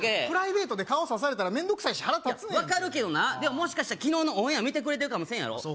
プライベートで顔さされたら面倒くさい腹立つねん分かるけどなでももしかしたら昨日のオンエア見てくれてるかもせんやろ？